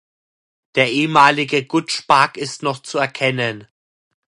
Der ehemalige Gutspark ist noch zu erkennen.